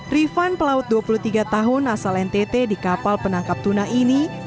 rifan pelaut dua puluh tiga tahun asal ntt di kapal penangkap tuna ini